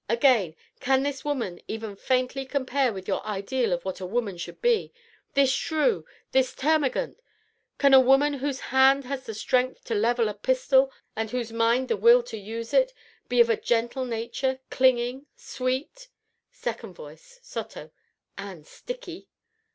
Again, can this woman even faintly compare with your ideal of what a woman should be this shrew! this termagant! Can a woman whose hand has the strength to level a pistol, and whose mind the will to use it, be of a nature gentle, clinging, sweet SECOND VOICE (sotto). And sticky!